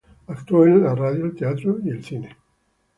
Actuó en la radio, el teatro y el cine.